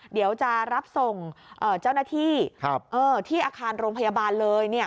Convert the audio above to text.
เดี๋ยวจะรับส่งเจ้าหน้าที่ที่อาคารโรงพยาบาลเลย